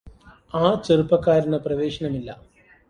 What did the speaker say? ആ ചെറുപ്പക്കാരന് പ്രവേശനമില്ല